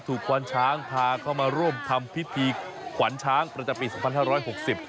ถูกควานช้างพาเขามาร่วมทำพิธีควานช้างประจำปี๒๕๖๐